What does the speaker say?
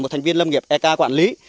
một thành viên lâm nghiệp ek quản lý